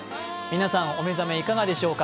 皆さんお目覚めいかがでしょうか。